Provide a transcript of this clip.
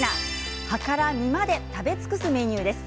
葉から実まで食べ尽くすメニューです。